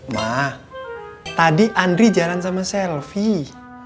mah tadi andri jalan sama selfie